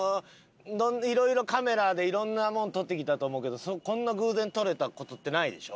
色々カメラで色んなもの撮ってきたと思うけどこんな偶然撮れた事ってないでしょ？